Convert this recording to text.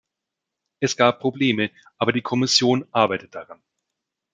Es gab Probleme, aber die Kommission arbeitet daran.